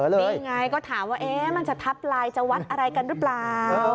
ดิไงก็ถามว่าจะทับลายจะวัดอะไรกันรึเปล่า